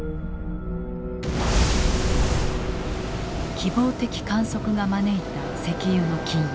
希望的観測が招いた石油の禁輸。